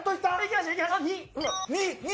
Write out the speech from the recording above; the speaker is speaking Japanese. ２！